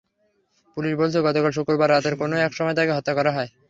Police বলছে, গতকাল শুক্রবার রাতের কোনো একসময় তাঁকে হত্যা করা হয়।